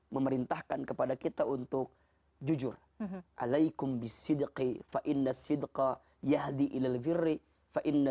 memerintahkan kepada kita untuk jujur alaikum bisidqin fa'inna sidqa yahdi ilal zirri fa'inna